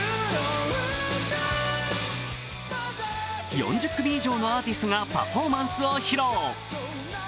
４０組以上のアーティストがパフォーマンスを披露。